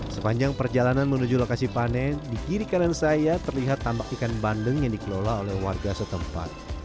sepanjang perjalanan menuju lokasi panen di kiri kanan saya terlihat tambak ikan bandeng yang dikelola oleh warga setempat